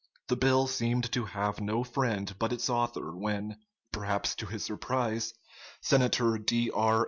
The bill seemed to have no friend but its author when, perhaps to his surprise, Senator D. R.